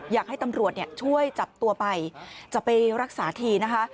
อยากให้ตำรวจช่วยจับตัวไปจะไปรักษาทีนะคะ